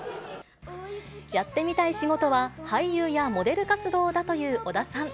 やってみたい仕事は、俳優やモデル活動だという小田さん。